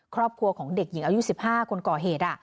ครอบครัวของเด็กหญิงอายุ๑๕คนก่อเหตุ